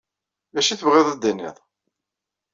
D acu ay tebɣiḍ ad d-tiniḍ?